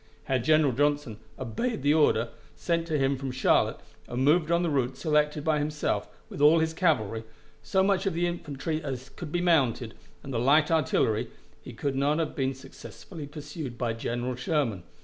Had General Johnston obeyed the order sent to him from Charlotte, and moved on the route selected by himself, with all his cavalry, so much of the infantry as could be mounted, and the light artillery, he could not have been successfully pursued by General Sherman.